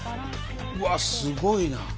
すごいな。